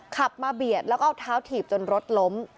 ขับมาเบียดแล้วก็เอาเท้าถีบจนรถล้ม